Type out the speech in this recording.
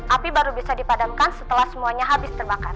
api baru bisa dipadamkan setelah semuanya habis terbakar